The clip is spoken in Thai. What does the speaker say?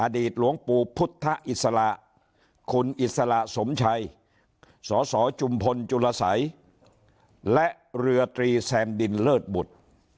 หลวงปู่พุทธอิสระคุณอิสระสมชัยสสจุมพลจุลสัยและเรือตรีแซมดินเลิศบุตร